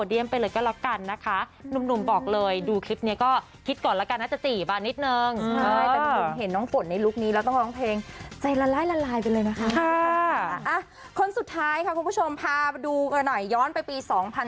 สุดท้ายค่ะคุณผู้ชมพาดูหน่อยย้อนไปปี๒๐๑๕